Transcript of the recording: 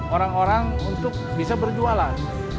orang orang untuk bisa berjualan